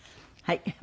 はい。